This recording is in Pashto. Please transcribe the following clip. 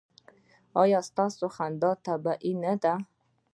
ایا ستاسو خندا طبیعي نه ده؟